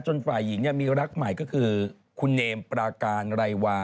ฝ่ายหญิงมีรักใหม่ก็คือคุณเนมปราการไรวา